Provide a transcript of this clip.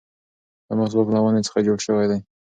دا مسواک له ونې څخه جوړ شوی دی.